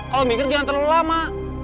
kalau mikir ganteng lama